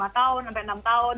lima tahun sampai enam tahun